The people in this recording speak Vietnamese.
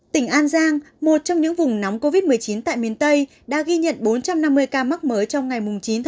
tỉnh an giang một trong những vùng nóng covid một mươi chín tại miền tây đã ghi nhận bốn trăm năm mươi ca mắc mới trong ngày chín tháng